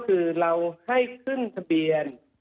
คือเราให้ขึ้นทะเบียน